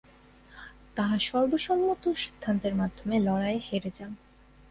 তাহা সর্বসম্মত সিদ্ধান্তের মাধ্যমে লড়াইয়ে হেরে যান।